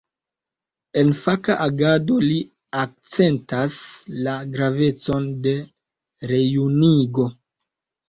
En faka agado li akcentas la gravecon de rejunigo.